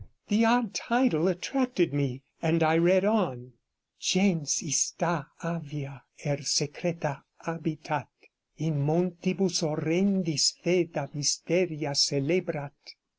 The odd title attracted me, and I read on: 'Gens ista avia er secreta habitat, in montibus horrendis foeda mysteria celebrat.